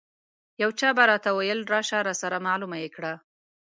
یو چا به ورته ویل راشه راسره معلومه یې کړه.